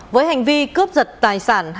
với hành vi cướp giật tài sản